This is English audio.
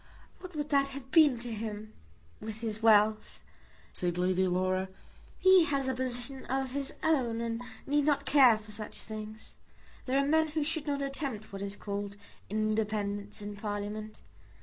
"What would that have been to him, with his wealth?" said Lady Laura. "He has a position of his own and need not care for such things. There are men who should not attempt what is called independence in Parliament.